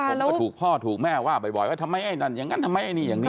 ผมก็ถูกพ่อถูกแม่ว่าบ่อยว่าทำไมไอ้นั่นอย่างนั้นทำไมไอ้นี่อย่างนี้